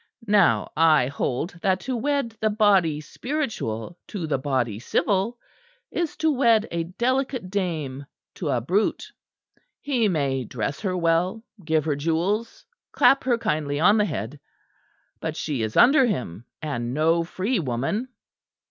Now I hold that to wed the body spiritual to the body civil, is to wed a delicate dame to a brute. He may dress her well, give her jewels, clap her kindly on the head but she is under him and no free woman.